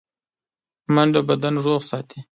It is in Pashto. منډه بدن روغ ساتي